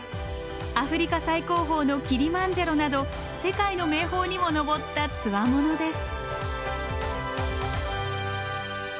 アフリカ最高峰のキリマンジャロなど世界の名峰にも登ったつわものです。